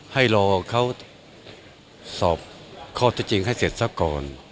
ให้รอเขาสอบข้อเท็จจริงให้เสร็จซะก่อน